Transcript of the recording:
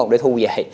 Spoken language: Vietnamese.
để thu về